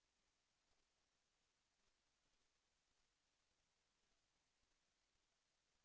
แสวได้ไงของเราก็เชียนนักอยู่ค่ะเป็นผู้ร่วมงานที่ดีมาก